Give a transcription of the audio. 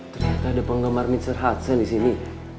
ternyata ada penggemar mr hudson disini